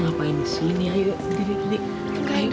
diri kamu ngapain disini ayo diri diri